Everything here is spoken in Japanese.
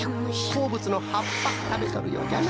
こうぶつのはっぱたべとるようじゃな。